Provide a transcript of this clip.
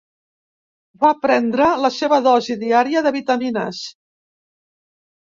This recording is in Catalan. Va prendre la seva dosi diària de vitamines.